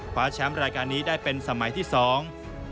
แชมป์รายการนี้ได้เป็นสมัยที่สอง